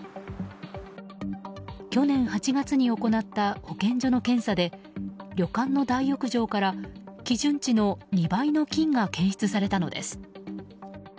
去年８月に行った保健所の検査で旅館の大浴場から基準値の２倍の菌が検出されたのです。